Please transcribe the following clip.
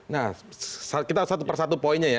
nah kita satu persatu poinnya ya